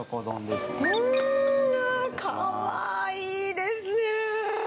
んー、かわいいですねー。